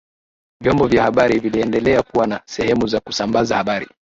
Vyombo vya habari viliendelea kuwa na sehemu za kusambaza habari